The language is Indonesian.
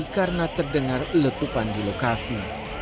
karena terdengar letupan di lokasi